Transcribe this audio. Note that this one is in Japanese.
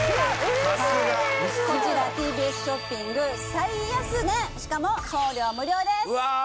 こちらＴＢＳショッピング最安値しかも送料無料ですうわ